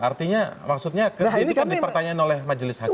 artinya maksudnya ini kan dipertanyakan oleh majelis hakim